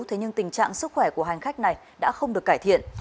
thế nhưng tình trạng sức khỏe của hành khách này đã không được cải thiện